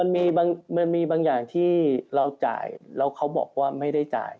มันมีบางอย่างที่เราจ่ายแล้วเขาบอกว่าไม่ได้จ่าย